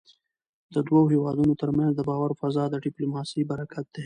د دوو هېوادونو ترمنځ د باور فضا د ډيپلوماسی برکت دی .